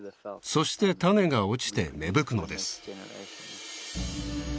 そして種が落ちて芽吹くのです